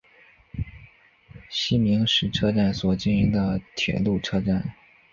西明石车站所经营的铁路车站。